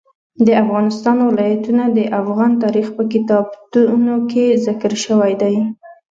د افغانستان ولايتونه د افغان تاریخ په کتابونو کې ذکر شوی دي.